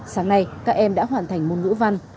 sáng nay các em đã hoàn thành môn ngữ văn